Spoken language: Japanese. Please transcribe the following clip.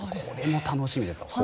これも楽しみです。